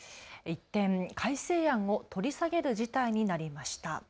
一転、改正案を取り下げる事態になりました。